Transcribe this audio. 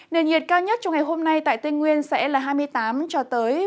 nền nhiệt cao nhất trong ngày hôm nay tại tây nguyên sẽ là hai mươi tám ba mươi độ